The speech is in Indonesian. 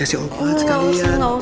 mas aku mau pulang